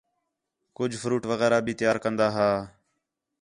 کُج فروٹ وغیرہ بھی تیار کن٘دا ہا